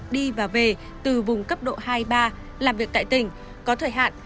đi và về từ vùng cấp độ hai ba làm việc tại tỉnh có thời hạn